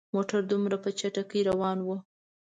موټر دومره په چټکۍ روان وو.